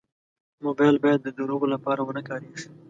موبایل باید د دروغو لپاره و نه کارېږي.